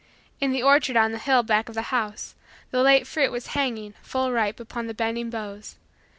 In the orchard on the hill back of the house, the late fruit was hanging, full ripe, upon the bending boughs.